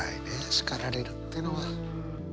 叱られるってのは。